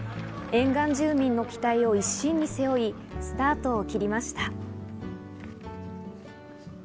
沿岸住民の期待を一身に背負い、スタートを切りました。